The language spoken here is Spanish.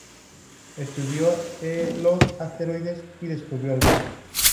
Estudió los asteroides y descubrió algunos.